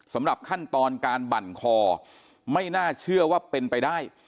สำหรับขั้นตอนการบั่นคอไม่น่าเชื่อว่าเป็นไปได้